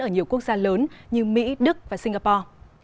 ở nhiều quốc gia lớn như mỹ đức và singapore